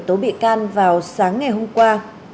số bị can vào sáng ngày hôm qua